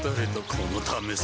このためさ